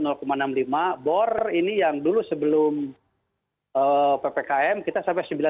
nah bor ini yang dulu sebelum ppkm kita sampai sembilan puluh